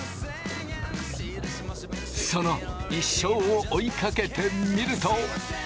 その一生を追いかけてみると。